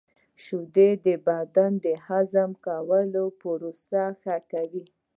• شیدې د بدن د هضم کولو پروسه ښه کوي.